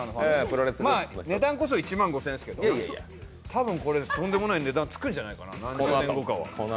値段こそ１万５０００円ですけどたぶんこれ、とんでもない値段つくんじゃないかな。